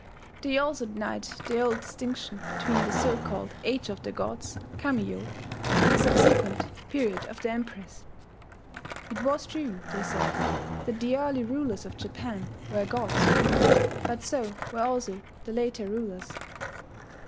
They also denied the old distinction between the so called Age of the Gods (Kami yo), and the subsequent period of the Emperors. It was true, they said, that the early rulers of Japan were gods; but so were also the later rulers.